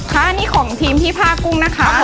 ค่ะนี่ของทีมที่ผ้ากุ้งนะคะ